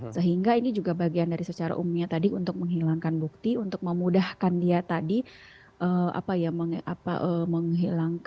sehingga ini juga bagian dari secara umumnya tadi untuk menghilangkan bukti untuk memudahkan dia tadi menghilangkan